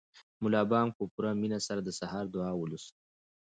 ملا بانګ په پوره مینه سره د سهار دعا ولوسته.